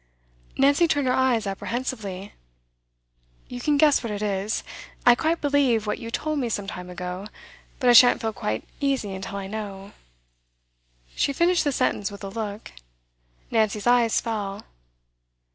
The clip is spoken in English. Nancy turned her eyes apprehensively. 'You can guess what it is. I quite believe what you told me some time ago, but I shan't feel quite easy until I know ' She finished the sentence with a look. Nancy's eyes fell.